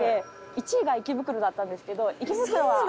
１位が池袋だったんですけど。